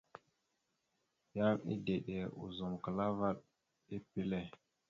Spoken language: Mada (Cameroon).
Yan edeɗa ozum klaa vaɗ epile.